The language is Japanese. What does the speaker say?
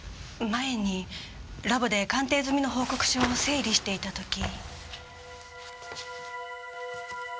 前にラボで鑑定済みの報告書を整理していた時。